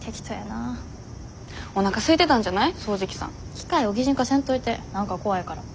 機械を擬人化せんといて何か怖いから。